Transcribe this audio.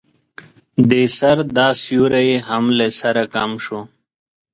د سر دا سيوری يې هم له سره کم شو.